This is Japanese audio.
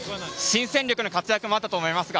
新戦力の活躍もあったと思います。